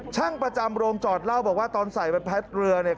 ช่างประจำโรงจอดเล่าบอกว่าตอนใส่ใบพัดเรือเนี่ย